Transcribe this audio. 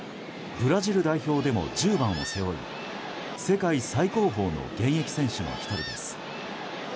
ブラジル代表でも１０番を背負い世界最高峰の現役選手の１人です。